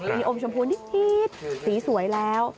มีอมชมพูนิดสีสวยแล้ว